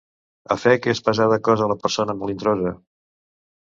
A fe que és pesada cosa la persona melindrosa.